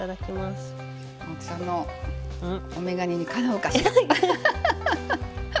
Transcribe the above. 青木さんのおめがねにかなうかしら。